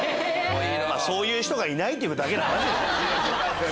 そういう人がいないっていうだけの話ですよ。